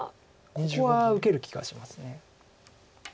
ここは受ける気がします。